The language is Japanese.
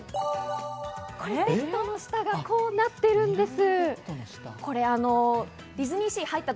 ベッドの下がこうなっているんです。